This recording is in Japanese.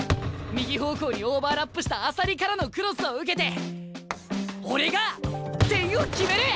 右方向にオーバーラップした朝利からのクロスを受けて俺が点を決める！